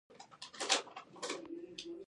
احمد اوس لاس سره موږي خو هغه نجلۍ په لاس نه ورځي.